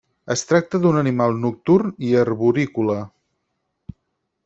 Es tracta d'un animal nocturn i arborícola.